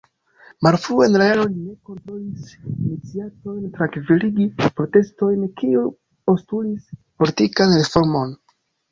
Malfrue en la jaro li ne kontrolis iniciatojn trankviligi protestojn kiuj postulis politikan reformon.